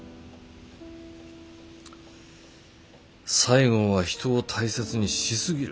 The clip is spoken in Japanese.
西郷は人を大切にしすぎる。